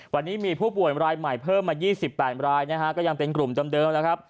วันนี้มีผู้ป่วยมรายใหม่เพิ่มมา๒๘มรายก็ยังเป็นกลุ่มเต็มเดิมนะครับ